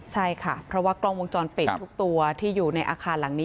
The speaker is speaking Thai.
ใช่ค่ะเพราะว่ากล้องวงจรปิดทุกตัวที่อยู่ในอาคารหลังนี้